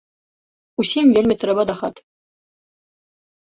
Усім вельмі трэба да хаты.